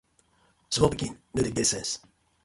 Small pikin no dey get sense.